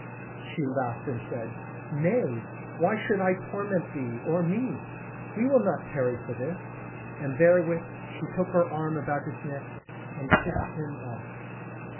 She laughed and said: "Nay, why should I torment thee...or me? We will not tarry for this." And therewith she took her arm about his neck and kissed him oft.